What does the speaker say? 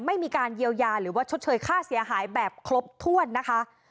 ไม่มีการเยียวยาหรือว่าชดเชยค่าเสียหายแบบครบถ้วนนะคะ